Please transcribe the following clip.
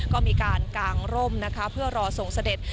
ก็มีการกางร่มนะคะเพื่อรอส่งเสด็จ